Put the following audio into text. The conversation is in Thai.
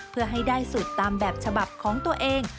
เพื่อให้ได้สูตรตามแบบฉบับของตัวเอง